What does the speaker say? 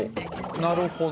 なるほど。